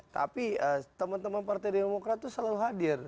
tapi teman teman partai demokrat itu selalu hadir